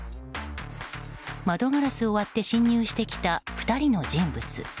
窓ガラスを割って侵入してきた２人の人物。